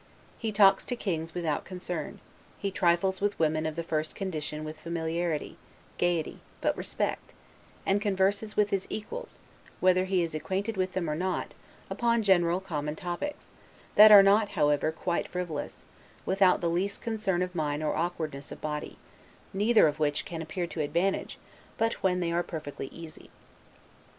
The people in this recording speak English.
He talks to kings without concern; he trifles with women of the first condition with familiarity, gayety, but respect; and converses with his equals, whether he is acquainted with them or not, upon general common topics, that are not, however, quite frivolous, without the least concern of mind or awkwardness of body: neither of which can appear to advantage, but when they are perfectly easy.